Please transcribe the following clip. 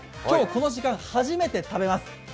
今日この時間、初めて食べます。